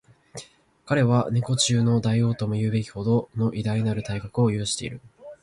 彼は猫中の大王とも云うべきほどの偉大なる体格を有している